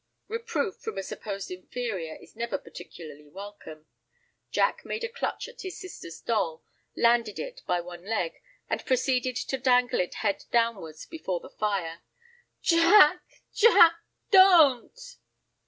Reproof from a supposed inferior is never particularly welcome. Jack made a clutch at his sister's doll, landed it by one leg, and proceeded to dangle it head downward before the fire. "Jack—Jack—don't!"